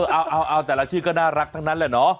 เอาแต่ละชื่อก็น่ารักทั้งนั้นแหละเนาะ